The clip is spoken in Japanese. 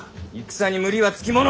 戦に無理は付き物。